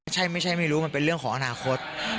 ใช่ไม่ใช่ไม่รู้มันเป็นเรื่องของอนาคต